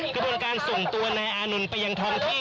กระบวนการส่งตัวนายอานนท์ไปยังท้องที่